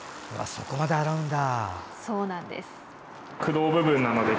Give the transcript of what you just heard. そこまで洗うんだ。